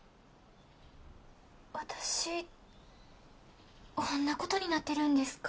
私ほんなことになってるんですか？